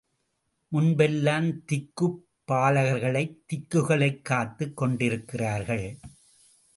முன்பெல்லாம் திக்குப் பாலகர்கள் திக்குகளைக் காத்துக் கொண்டிருந்தார்கள்.